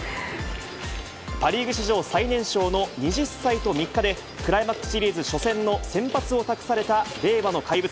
パ・リーグ史上最年少の２０歳と３日で、クライマックスシリーズ初戦の先発を託された令和の怪物。